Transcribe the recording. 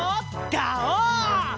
ガオー！